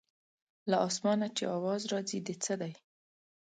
له اسمانه چې اواز راځي د څه دی.